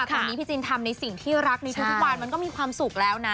ตอนนี้พี่จินทำในสิ่งที่รักในทุกวันมันก็มีความสุขแล้วนะ